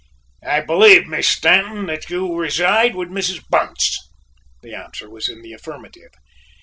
"I believe, Miss Stanton, that you reside with Mrs. Bunce?" The answer was in the affirmative.